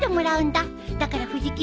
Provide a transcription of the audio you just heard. だから藤木